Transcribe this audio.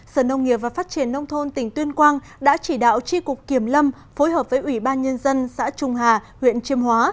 sở nông nghiệp và phát triển nông thôn tỉnh tuyên quang đã chỉ đạo tri cục kiểm lâm phối hợp với ủy ban nhân dân xã trung hà huyện chiêm hóa